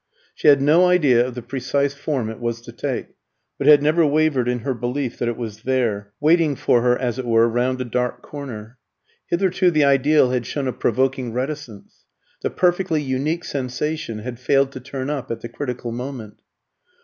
She had no idea of the precise form it was to take, but had never wavered in her belief that it was there, waiting for her, as it were, round a dark corner. Hitherto the ideal had shown a provoking reticence; the perfectly unique sensation had failed to turn up at the critical moment.